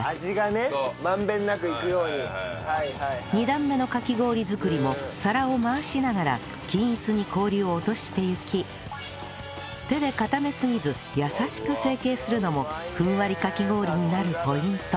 ２段目のかき氷作りも皿を回しながら均一に氷を落としていき手で固めすぎず優しく成形するのもフンワリかき氷になるポイント